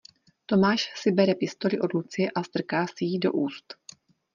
Tomáš si bere pistoli od Lucie a strká si ji do úst.